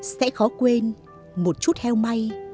sẽ khó quên một chút heo may